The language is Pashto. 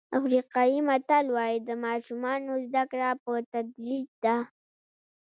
افریقایي متل وایي د ماشومانو زده کړه په تدریج ده.